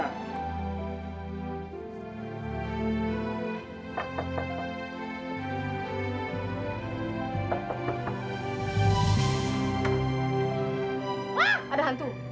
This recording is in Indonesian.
wah ada hantu